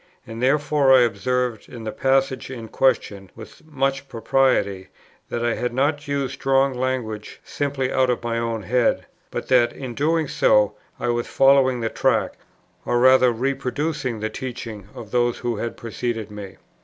And therefore I observe in the passage in question, with much propriety, that I had not used strong language simply out of my own head, but that in doing so I was following the track, or rather reproducing the teaching, of those who had preceded me.